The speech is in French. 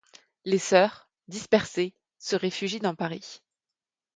Les sœurs, dispersées, se réfugient dans Paris.